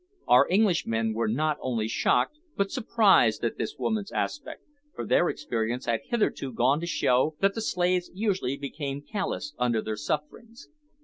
Our Englishmen were not only shocked but surprised at this woman's aspect, for their experience had hitherto gone to show that the slaves usually became callous under their sufferings.